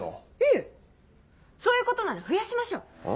いえそういうことなら増やしましょう。